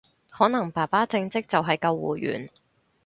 可能爸爸正職就係救護員